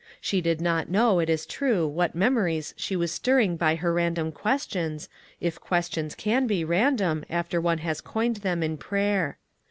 She did not know, it is true, what memories she was stirring by her random questions, if questions can be random, after one has coined them in prayer.